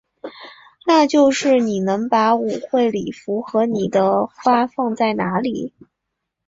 那就是你能把舞会礼服和你的花放在哪里？